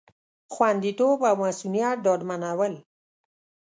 خوندیتوب او مصئونیت ډاډمنول